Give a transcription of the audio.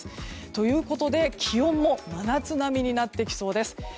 ということで、気温も真夏並みになってきそうです。